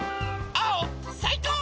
あおさいこう！